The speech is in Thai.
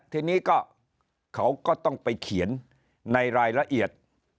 ทีนี้ก็เขาก็ต้องไปเขียนในรายละเอียด